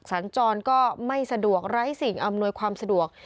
สัญจรก็ไม่สะดวกไร้สิ่งอำนวยความสะดวก